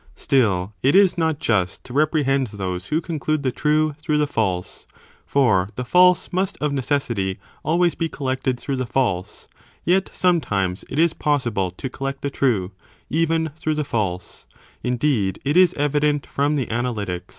Still, it is not just to reprehend those who con clude the true through the false, for the false must of neces sity always be collected through the false, yet sometimes it is possible to collect the true, even through the false, indeed it is evident from the Analytics.